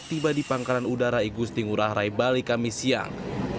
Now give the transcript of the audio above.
tiba di pangkalan udara igusting urah rai bali kamis siang